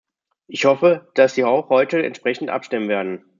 Ich hoffe, dass sie auch heute entsprechend abstimmen werden.